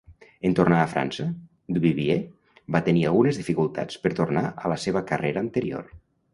En tornar a França, Duvivier va tenir algunes dificultats per tornar a la seva carrera anterior.